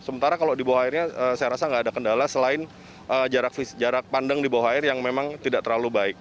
sementara kalau di bawah airnya saya rasa nggak ada kendala selain jarak pandang di bawah air yang memang tidak terlalu baik